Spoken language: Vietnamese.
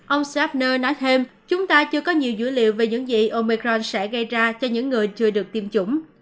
ông searner nói thêm chúng ta chưa có nhiều dữ liệu về những gì omecron sẽ gây ra cho những người chưa được tiêm chủng